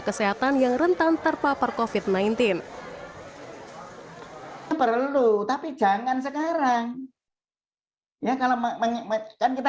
kesehatan yang rentan terpapar kofit sembilan belas perlu tapi jangan sekarang ya kalau mengingatkan kita